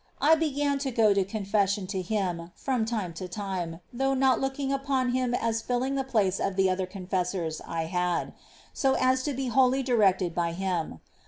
^ I began to go to confession to him from time to time, though not looking upon him as filling the place of the other confessors I had, so as to be wholly directed by him.